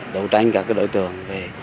đấu tranh các đội tưởng